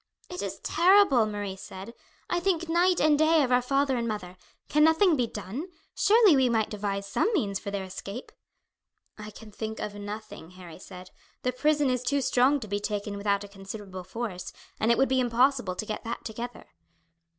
"It is terrible," Marie said. "I think night and day of our father and mother. Can nothing be done? Surely we might devise some means for their escape." "I can think of nothing," Harry said. "The prison is too strong to be taken without a considerable force, and it would be impossible to get that together."